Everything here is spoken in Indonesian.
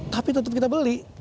tapi tetap kita beli